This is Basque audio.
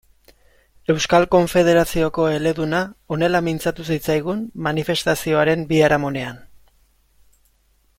Euskal Konfederazioko eleduna honela mintzatu zitzaigun manifestazioaren biharamunean.